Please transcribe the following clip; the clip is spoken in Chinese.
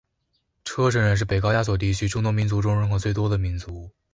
车臣人是北高加索地区众多民族中人口最多的民族。